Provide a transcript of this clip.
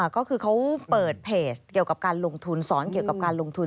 ก็คือเขาเปิดเพจเกี่ยวกับการลงทุนสอนเกี่ยวกับการลงทุน